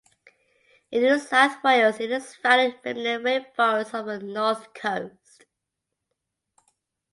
In New South Wales it is found in remnant rainforests of the North Coast.